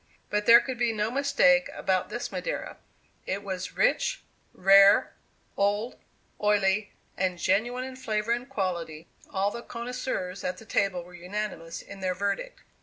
But there could be no mistake about this Madeira; it was rich, rare, old, oily, and genuine in flavor and quality; all the connoisseurs at the table were unanimous in their verdict.